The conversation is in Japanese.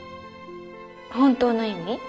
本当の意味？